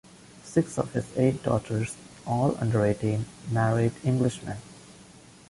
Six of his eight daughters, all under eighteen, married Englishmen.